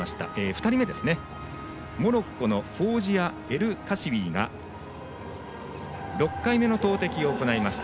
モロッコのフォージア・エルカシウィーが６回目の投てきを行いました。